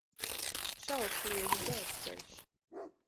Šaursliežu dzelzceļš